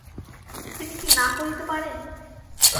তিনি কী না করিতে পারেন?